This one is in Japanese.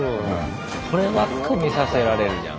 こればっか見させられるじゃん。